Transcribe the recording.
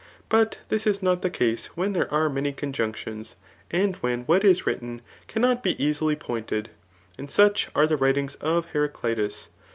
But this is not the case when there are many conjunc tions ; and when what is written cannot be easily pointed ; and such are the writings of Heraclitus.